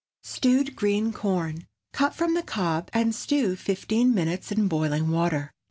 STEWED GREEN CORN. Cut from the cob, and stew fifteen minutes in boiling water.